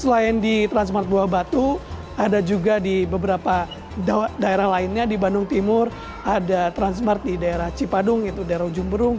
selain di transmart buah batu ada juga di beberapa daerah lainnya di bandung timur ada transmart di daerah cipadung itu daerah ujung berung